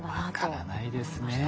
分からないですね。